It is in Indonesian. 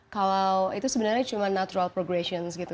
kalau itu sebenarnya cuma natural progressions gitu